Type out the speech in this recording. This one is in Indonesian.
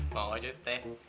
bang ojo teh